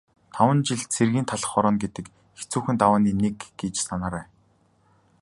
Таван жил цэргийн талх хорооно гэдэг хэцүүхэн давааны нэг гэж санаарай.